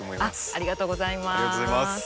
ありがとうございます。